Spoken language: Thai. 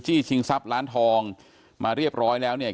จี้ชิงซับล้านทองมาเรียบร้อยแล้วเนี้ย